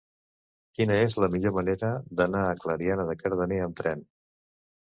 Quina és la millor manera d'anar a Clariana de Cardener amb tren?